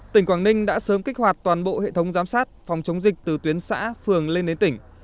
tỉnh quảng ninh đã sớm kích hoạt toàn bộ hệ thống giám sát phòng chống dịch từ tuyến xã phường lên đến tỉnh